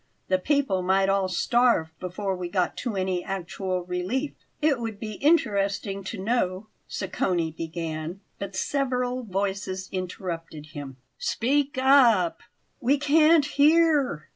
The people might all starve before we got to any actual relief." "It would be interesting to know " Sacconi began; but several voices interrupted him. "Speak up; we can't hear!"